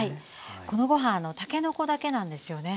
このご飯たけのこだけなんですよね。